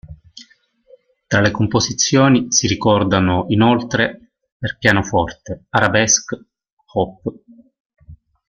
Tra le composizioni si ricordano, inoltre: per pianoforte: "Arabesque", "op".